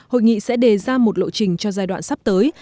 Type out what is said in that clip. hội nghị sẽ đề ra một lộ trình cho giai đoạn sắp tới